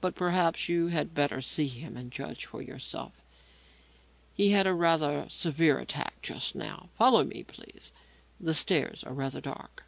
But perhaps you had better see him and judge for yourself. He had a rather severe attack just now. Follow me, please. The stairs are rather dark."